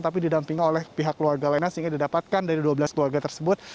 tapi didampingi oleh pihak keluarga lainnya sehingga didapatkan dari dua belas keluarga tersebut